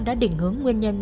đã đỉnh hướng nguyên nhân